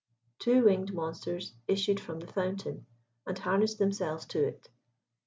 Two winged monsters issued from the fountain and harnessed themselves to it.